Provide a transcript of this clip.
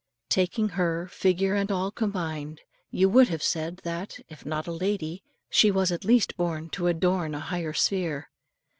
Taking her, figure and all combined, you would have said that, if not a lady, she was at least born to adorn a higher sphere.